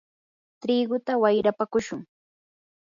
triguta wayrapakushun.